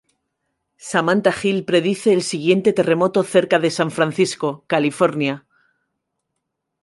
Samantha Hill predice el siguiente terremoto cerca de San Francisco, California.